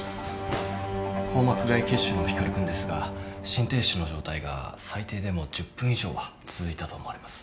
硬膜外血腫の光君ですが心停止の状態が最低でも１０分以上は続いたと思われます。